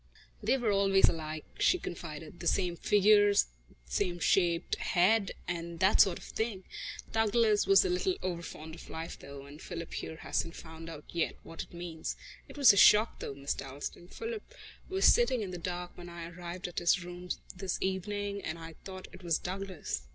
"They were always alike," she confided, "the same figures, same shaped head and that sort of thing. Douglas was a little overfond of life, though, and Philip here hasn't found out yet what it means. It was a shock, though, Miss Dalstan. Philip was sitting in the dark when I arrived at his rooms this evening, and I thought it was Douglas."